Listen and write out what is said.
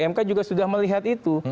mk juga sudah melihat itu